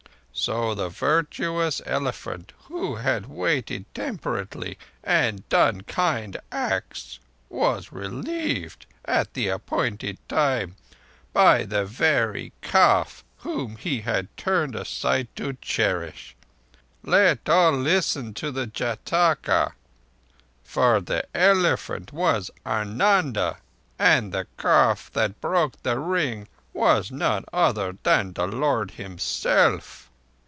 So the virtuous elephant who had waited temperately and done kind acts was relieved, at the appointed time, by the very calf whom he had turned aside to cherish—let all listen to the Jâtaka! for the Elephant was Ananda, and the Calf that broke the ring was none other than The Lord Himself..."